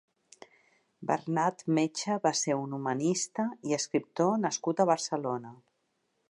Bernat Metge va ser un humanista i escriptor nascut a Barcelona.